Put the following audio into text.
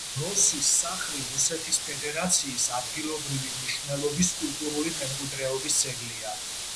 დროსის სახლი რუსეთის ფედერაციის ადგილობრივი მნიშვნელობის კულტურული მემკვიდრეობის ძეგლია.